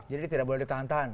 jadi tidak boleh ditahan tahan